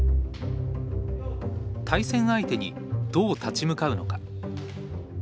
対戦相手にどう立ち向かうのか。